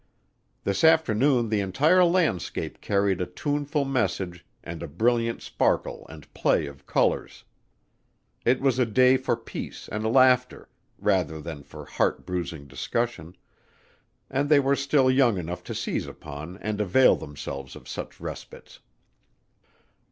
This afternoon the entire landscape carried a tuneful message and a brilliant sparkle and play of colors. It was a day for peace and laughter, rather than for heart bruising discussion and they were still young enough to seize upon and avail themselves of such respites.